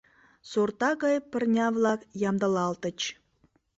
Сорта гай пырня-влак ямдылалтыч.